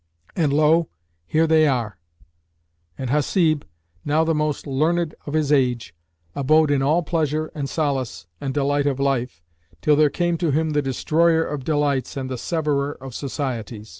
And lo! here they are.' " And Hasib, now the most learned of his age, abode in all pleasure and solace, and delight of life, till there came to him the Destroyer of delights and the Severer of societies.